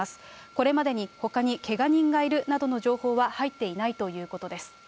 これまでにほかにけが人がいるなどの情報は入っていないということです。